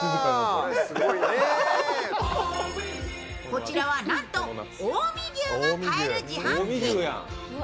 こちらはなんと近江牛が買える自販機。